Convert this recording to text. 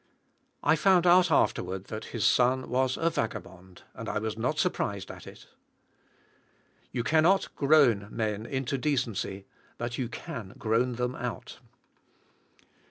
I found out afterward that his son was a vagabond, and I was not surprised at it. You cannot groan men into decency, but you can groan them out.